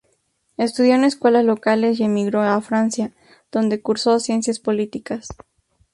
Estudió en escuelas locales y emigró a Francia, donde cursó Ciencias Políticas.